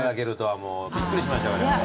もうびっくりしましたわれわれ。